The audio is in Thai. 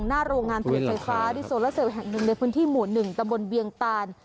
หน้าโรงงานโดยไฟฟ้าที่โซระเซลแห่ง๑ในพื้นที่หมู่๑ตะบลเบียงตาน